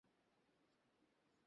ছবিটির আরো সহজ ব্যাখ্যা আছে।